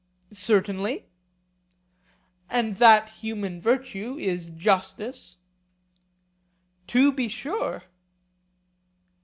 Certainly. And that human virtue is justice? To be sure.